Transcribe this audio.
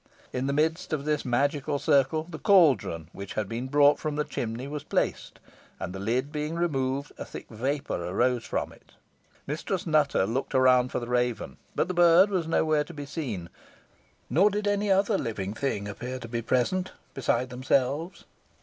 In the midst of this magical circle, the caldron, which had been brought from the chimney, was placed, and, the lid being removed, a thick vapour arose from it. Mistress Nutter looked around for the raven, but the bird was nowhere to be seen, nor did any other living thing appear to be present beside themselves.